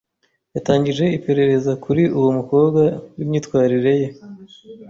yatangije iperereza kuri uwo mukobwa n’imyitwarire ye.